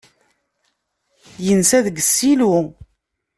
Yensa deg ssilu.